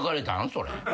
それ。